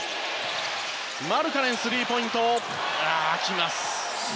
マルカネンのスリーポイントがきました。